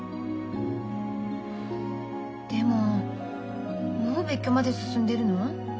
でももう別居まで進んでるの？